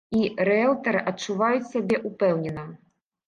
І рыэлтары адчуваюць сябе ўпэўнена.